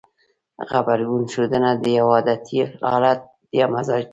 غبرګون ښودنه يو عادتي حالت يا مزاج دی.